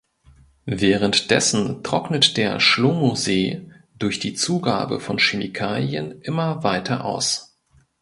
Währenddessen trocknet der Schlomo See durch die Zugabe von Chemikalien immer weiter aus.